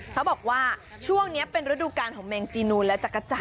เขาบอกว่าช่วงนี้เป็นฤดูการของแมงจีนูนและจักรจันท